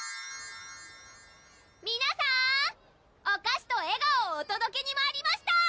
皆さんお菓子と笑顔をおとどけにまいりました！